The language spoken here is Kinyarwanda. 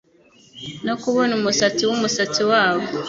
no kubona umusatsi wumusatsi wabo